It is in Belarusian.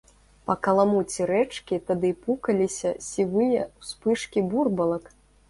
Па каламуці рэчкі тады пукаліся сівыя ўспышкі бурбалак.